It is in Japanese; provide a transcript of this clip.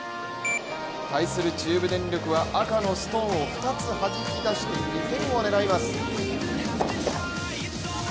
対する中部電力は赤のストーンを２つはじき出して２点を狙います。